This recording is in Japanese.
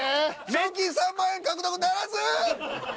賞金３万円獲得ならず！